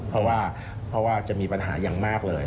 เพราะว่าจะมีปัญหาอย่างมากเลย